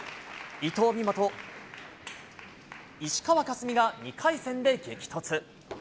伊藤美誠と石川佳純が２回戦で激突。